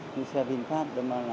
như xe vinfast